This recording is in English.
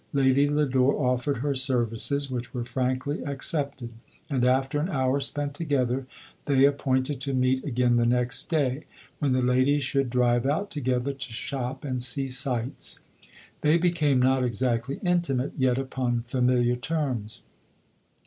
Lady Lodore offered her ser vices, which were frankly accepted; and after an hour spent together, they appointed to meet again the next dav, when the ladies should drive out together to shop and see sights. They became not exactly intimate, yet upon familiar terms.